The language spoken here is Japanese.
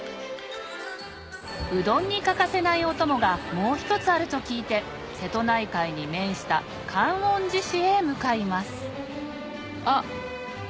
うどんに欠かせないお供がもう一つあると聞いて瀬戸内海に面した観音寺市へ向かいますあっ